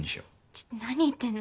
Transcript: ちょ何言ってんの。